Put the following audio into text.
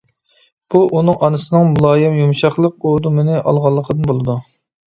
بۇ، ئۇنىڭ ئانىسىنىڭ مۇلايىم، يۇمشاقلىق ئۇدۇمىنى ئالغانلىقىدىن بولىدۇ.